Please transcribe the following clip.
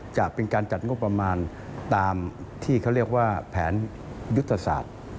จะเป็นการจัดงบประมาณตามที่เขาเรียกว่าแผนยุทธศาสตร์